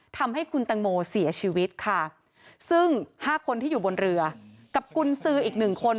ทำให้คุณตังโมเสียชีวิตค่ะซึ่งห้าคนที่อยู่บนเรือกับกุญสืออีกหนึ่งคน